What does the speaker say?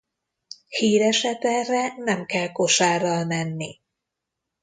Híres eperre nem kell kosárral menni.